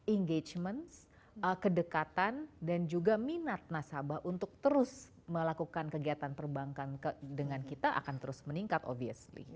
engagement kedekatan dan juga minat nasabah untuk terus melakukan kegiatan perbankan dengan kita akan terus meningkat obviously